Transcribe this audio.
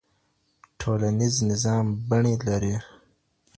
ټولنيز نظام بڼې لري.